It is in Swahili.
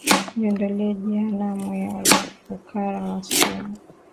Niondoe jehanamu, ya ufukara wa sumu,